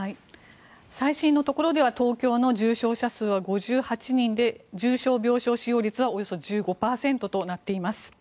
最新のところでは東京の重症者数は５８人で、重症病床使用率はおよそ１５％となっています。